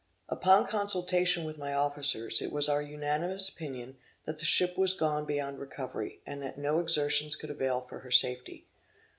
Upon consultation with my officers, it was our unanimous opinion, that the ship was gone beyond recovery, and that no exertions could avail for her safety.